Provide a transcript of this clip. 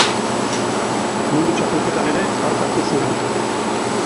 Mundu Txapelketan ere parte hartu zuen.